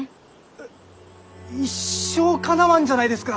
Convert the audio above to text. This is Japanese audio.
えっ一生かなわんじゃないですか！